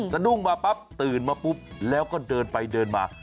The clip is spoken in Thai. สะดุ้งมาปั๊บตื่นมาปุ๊บแล้วก็เดินไปเดินมา